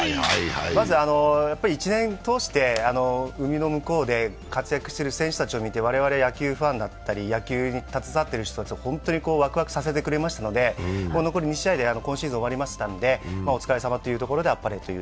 まず１年通して海の向こうで活躍してる選手たちを見て、我々野球ファンだったり野球に携わっている人たちを本当にワクワクさせてくれましたので、残り２試合で今シーズン終わりますので、お疲れさまでしたということであっぱれという。